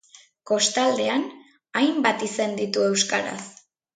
Kostaldean, hainbat izen ditu euskaraz.